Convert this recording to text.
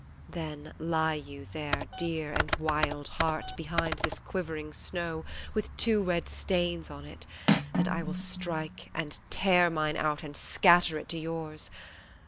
Then lie you there Dear and wild heart behind this quivering snow With two red stains on it : and I will strike and tear Mine out, and scatter it to yours.